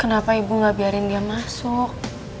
kenapa ibu nggak biarin dia masuk